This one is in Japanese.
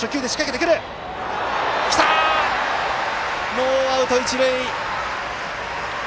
ノーアウト、一塁。